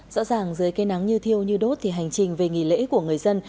rõ ràng dưới cây nắng như thiêu như đốt thì hành trình về nghỉ lễ của người dân